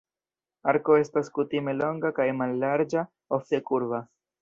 Arko estas kutime longa kaj mallarĝa, ofte kurba.